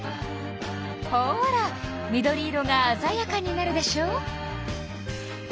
ほら緑色があざやかになるでしょう？